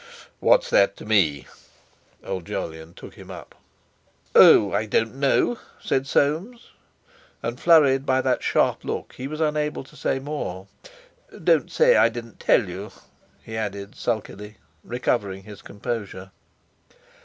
"What is that to me?" old Jolyon took him up. "Oh! I don't know," said Soames, and flurried by that sharp look he was unable to say more. "Don't say I didn't tell you," he added sulkily, recovering his composure.